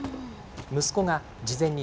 息子が事前に